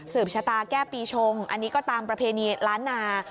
ชะตาแก้ปีชงอันนี้ก็ตามประเพณีล้านนา